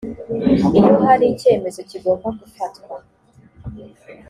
iyo hari icyemezo kigomba gufatwa